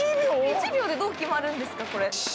１秒でどう決まるんですか？